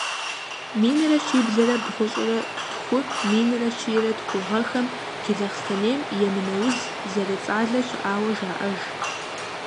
Минрэ щиблрэ бгъущӀрэ тху-минрэ щийрэ тху гъэхэм Джылахъстэнейм емынэ уз зэрыцӀалэ щыӀауэ жаӀэж.